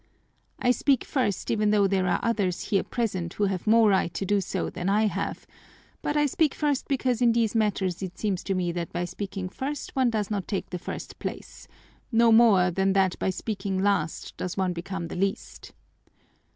"I speak first even though there are others here present who have more right to do so than I have, but I speak first because in these matters it seems to me that by speaking first one does not take the first place no more than that by speaking last does one become the least.